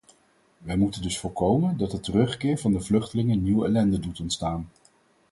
Wij moeten dus voorkomen dat de terugkeer van de vluchtelingen nieuwe ellende doet ontstaan.